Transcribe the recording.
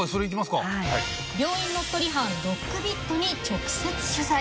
病院乗っ取り犯、ロックビットに直接取材！